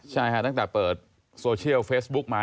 ใช่ค่ะตั้งแต่เปิดโซเชียลเฟซบุ๊กมา